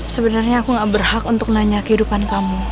sebenarnya aku gak berhak untuk nanya kehidupan kamu